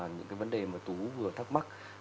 những cái vấn đề mà tú vừa thắc mắc